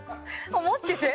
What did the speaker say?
思ってて。